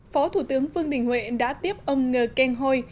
phó thủ tướng vương đình huệ đã tiếp ông ngờ keng hôi